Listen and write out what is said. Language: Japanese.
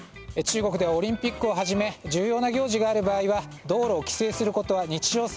中国ではオリンピックをはじめ重要な行事がある場合は道路を規制することは日常